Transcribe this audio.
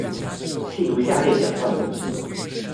細讀下列兩段文字